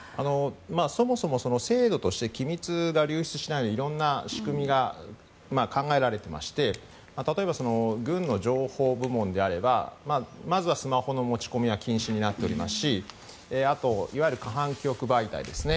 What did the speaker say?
そもそも、制度として機密が流出しないようにいろんな仕組みが考えられていまして例えば、軍の情報部門であればまずはスマホの持ち込みは禁止になっておりますしあと、いわゆる過半記憶媒体ですね。